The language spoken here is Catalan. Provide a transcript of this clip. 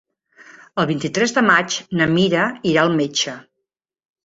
El vint-i-tres de maig na Mira irà al metge.